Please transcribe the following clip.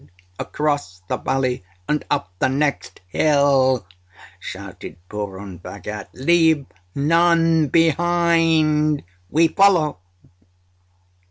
âAcross the valley and up the next hill!â shouted Purun Bhagat. âLeave none behind! We follow!